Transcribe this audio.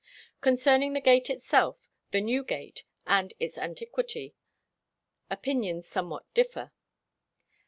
Concerning the gate itself, the New Gate and its antiquity, opinions somewhat differ.